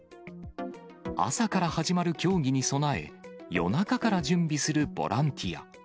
朝から始まる競技に備え、夜中から準備するボランティア。